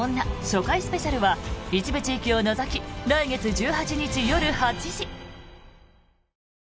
初回スペシャルは一部地域を除き来月１８日夜８時。